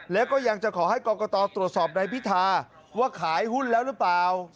แล้วก็ยังจะขอให้กรกตตรวจสอบนายพิธาว่าขายหุ้นแล้วหรือเปล่า